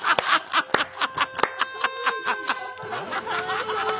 ハハハハ！